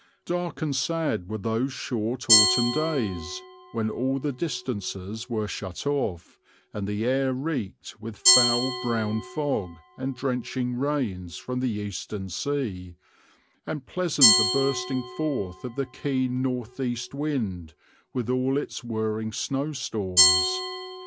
Dark and sad were those short autumn days, when all the distances were shut off, and the air reeked with foul brown fog and drenching rains from the eastern sea; and pleasant the bursting forth of the keen north east wind, with all its whirling snowstorms.